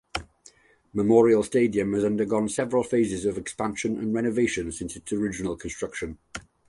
Memorial Stadium has undergone several phases of expansion and renovation since its original construction.